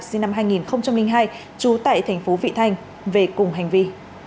sinh năm hai nghìn hai trú tại thành phố vị thanh về cùng hành vi